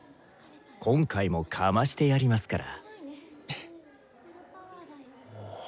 今回もかましてやりますから。